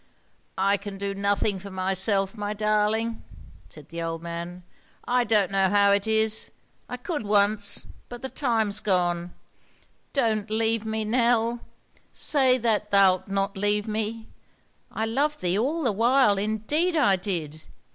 "I can do nothing for myself, my darling," said the old man. "I don't know how it is; I could once, but the time's gone. Don't leave me, Nell; say that thou'lt not leave me. I loved thee all the while, indeed I did.